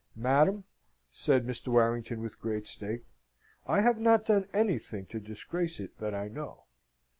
"Madam," said Mr. Warrington with great state, "I have not done anything to disgrace it that I know."